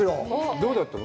どうだったの？